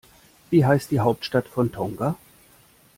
Wie heißt die Hauptstadt von Tonga?